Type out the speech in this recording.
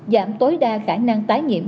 giảm tối đa khả năng tái nhiệm